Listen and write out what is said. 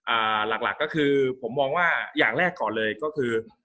หลักหลักก็คือผมมองว่าอย่างแรกก่อนเลยก็คือ